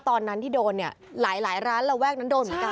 ตอนนั้นที่โดนเนี่ยหลายร้านระแวกนั้นโดนเหมือนกัน